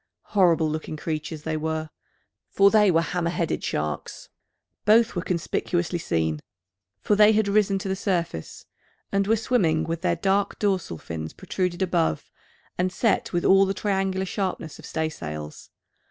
Horrible looking creatures they were: for they were hammer headed sharks! Both were conspicuously seen: for they had risen to the surface, and were swimming with their dark dorsal fins protruded above, and set with all the triangular sharpness of staysails.